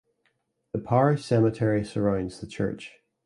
The parish cemetery surrounds the church.